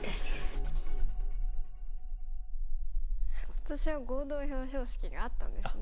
今年は合同表彰式があったんですね。